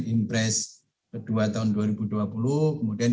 in price ke dua tahun dua ribu dua puluh kemudian